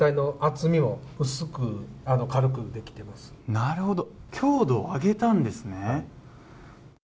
なるほど強度を上げたんですね